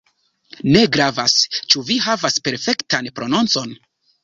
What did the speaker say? Ne gravas, ĉu vi havas perfektan prononcon.